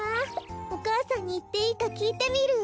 お母さんにいっていいかきいてみる。